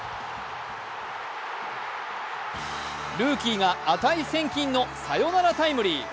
ルーキーが値千金のサヨナラタイムリー。